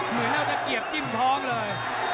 เหมือนเอาตะเกียบจิ้มท้องเลย